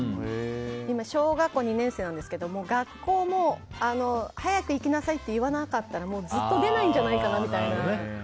今、小学校２年生なんですが学校も早く行きなさいって言わなかったら、ずっと出ないんじゃないかみたいな。